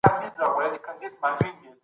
دولت باید د زده کړې اسانتیاوي برابرې کړي.